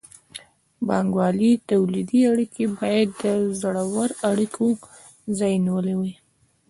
بانګوالي تولیدي اړیکې باید د زړو اړیکو ځای نیولی وای.